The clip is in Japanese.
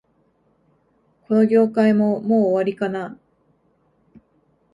この業界も、もう終わりかな